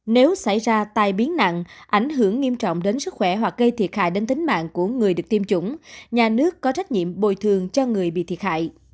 nếu xảy ra tai biến nặng ảnh hưởng nghiêm trọng đến sức khỏe hoặc gây thiệt hại đến tính mạng của người được tiêm chủng nhà nước có trách nhiệm bồi thường cho người bị thiệt hại